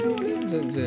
全然。